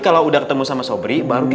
kau sebelum sebelum udh